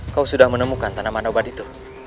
kau sudah menemukan tanaman obat itu